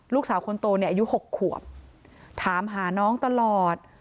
ลูกสาวคนโตเนี่ยอายุ๖ขวบถามหาน้องตลอด